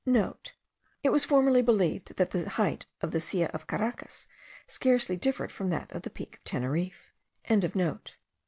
*(* It was formerly believed that the height of the Silla of Caracas scarcely differed from that of the peak of Teneriffe.)